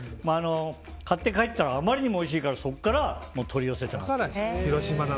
買って帰ったらあまりにもおいしいからそこから取り寄せた。